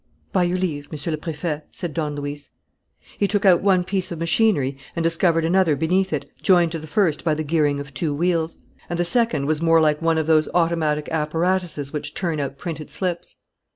"By your leave, Monsieur le Préfet," said Don Luis. He took out one piece of machinery and discovered another beneath it, joined to the first by the gearing of two wheels; and the second was more like one of those automatic apparatuses which turn out printed slips.